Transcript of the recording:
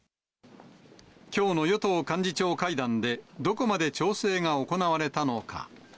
きょうの与党幹事長会談で、どこまで調整が行われたのか。